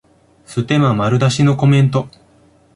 ステマ丸出しのコメント